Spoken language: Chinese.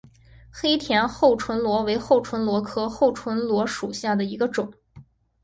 黑田厚唇螺为厚唇螺科厚唇螺属下的一个种。